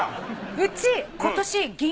うち今年。